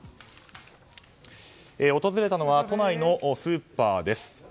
訪れたのは、都内のスーパーです。